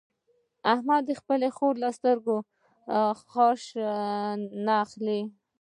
احمده د خپل ورور له سترګو خاشه نه اخلي.